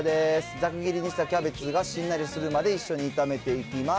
ざく切りにしたキャベツがしんなりするまで一緒に炒めていきます。